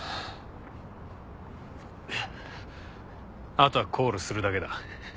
あとはコールするだけだ。